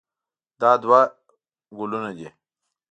دا دوه ګلونه دي.